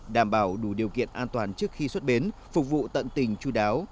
đảm bảo đủ điều kiện an toàn trước khi xuất bến phục vụ tận tình chú đáo